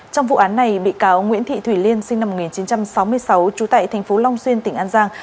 trong vụ án này bị cáo nguyễn thị thủy liên sinh năm một nghìn chín trăm sáu mươi sáu trú tại thành phố long xuyên tỉnh an giang